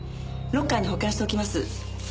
ロッカーに保管しておきます。